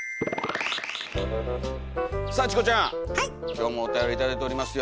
今日もおたより頂いておりますよ。